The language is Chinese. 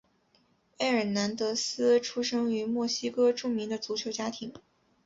埃尔南德斯出生于墨西哥著名的足球家庭。